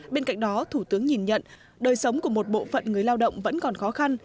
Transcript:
bên cạnh đó thủ tướng nhìn nhận đời sống của một bộ phận người lao động vẫn còn khó khăn